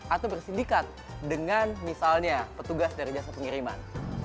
atau bersindikat dengan misalnya petugas dari jasa pengiriman